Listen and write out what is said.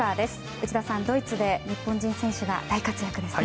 内田さん、ドイツで日本人選手が大活躍ですね。